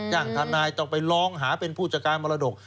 อย่างธนายต้องไปล้องหาเป็นผู้จักรายมรดก